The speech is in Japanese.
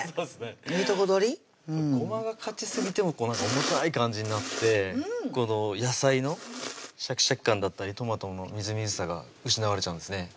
いいとこ取りごまが勝ちすぎても重たい感じになってこの野菜のシャキシャキ感だったりトマトのみずみずしさが失われちゃうんですね